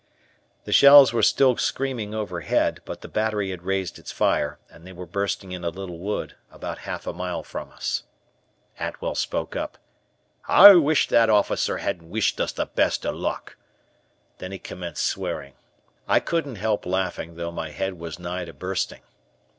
The shells were still screaming overhead, but the battery had raised its fire, and they were bursting in a little wood, about half a mile from us. Atwell spoke up, "I wish that officer hadn't wished us the best o' luck." Then he commenced swearing. I couldn't help laughing, though my head was nigh to bursting.